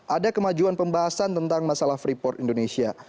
ada kemajuan pembahasan tentang masalah freeport indonesia